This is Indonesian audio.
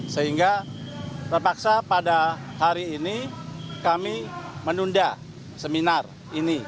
sehingga terpaksa pada hari ini kami menunda seminar ini